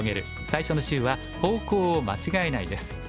最初の週は「方向を間違えない」です。